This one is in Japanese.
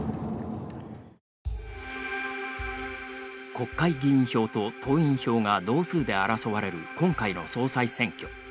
国会議員票と党員票が同数で争われる今回の総裁選挙。